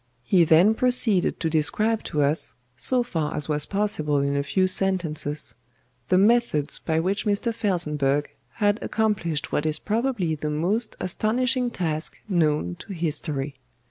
He then proceeded to describe to us, so far as was possible in a few sentences, the methods by which Mr. FELSENBURGH had accomplished what is probably the most astonishing task known to history.